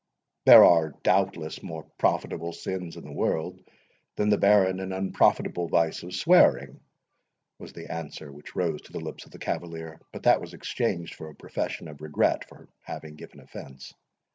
"There are, doubtless, more profitable sins in the world than the barren and unprofitable vice of swearing," was the answer which rose to the lips of the cavalier; but that was exchanged for a profession of regret for having given offence.